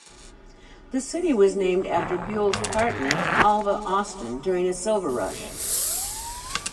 The city was named after Buell's partner, Alvah Austin, during a silver rush.